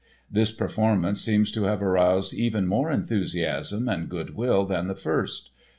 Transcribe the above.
This performance seems to have aroused even more enthusiasm and good will than the first.